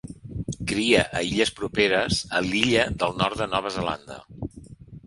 Cria a illes properes a l'Illa del Nord de Nova Zelanda.